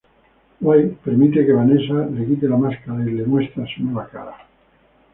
Wade permite que Vanessa le quite la máscara y le muestra su nueva cara.